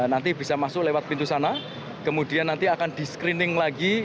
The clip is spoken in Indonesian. nanti bisa masuk lewat pintu sana kemudian nanti akan di screening lagi